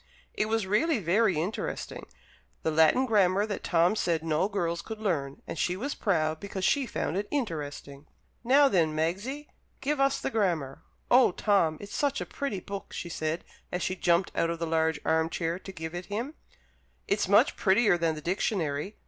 It was really very interesting the Latin Grammar that Tom had said no girls could learn, and she was proud because she found it interesting. "Now, then, Magsie, give us the Grammar!" "Oh, Tom, it's such a pretty book!" she said, as she jumped out of the large arm chair to give it him; "it's much prettier than the Dictionary.